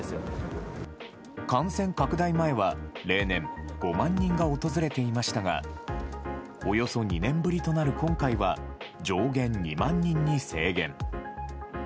感染拡大前は、例年、５万人が訪れていましたが、およそ２年ぶりとなる今回は、上限２万人に制限。